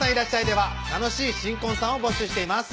では楽しい新婚さんを募集しています